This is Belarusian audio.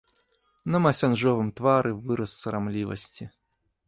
На масянжовым твары выраз сарамлівасці.